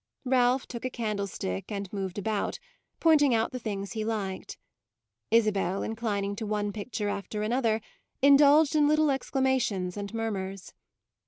Ralph took a candlestick and moved about, pointing out the things he liked; Isabel, inclining to one picture after another, indulged in little exclamations and murmurs.